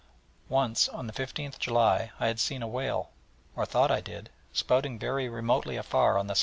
Once, on the 15th July, I had seen a whale, or thought I did, spouting very remotely afar on the S.E.